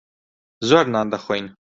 زۆر نان دەخۆین.